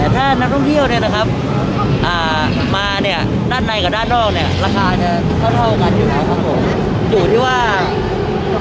ถ้านักท่องเที่ยวมาด้านในกับด้านนอกราคาเท่ากันอยู่ไหนครับผม